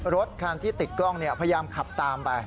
รถคันที่ติดกล้องพยายามขับตามไป